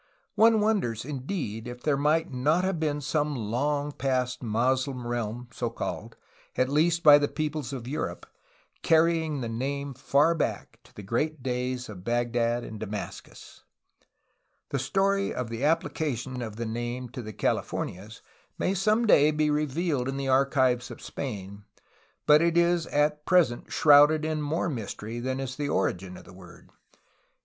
One wonders, indeed, if there might not have been some long past Moslem realm so called, at least by the peoples of Europe, carrying the name far back to the great days of Bagdad and Damascus. The story of the application of the name to the Califor nias may some day be revealed in the archives of Spain, but it is at present shrouded in more mystery than is the origin of the word.